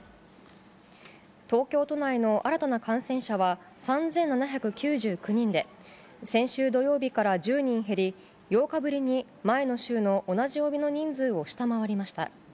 東京都内の新たな感染者は３７９９人で、先週土曜日から１０人減り、８日ぶりに前の週の同じ曜日の人数を下回りました。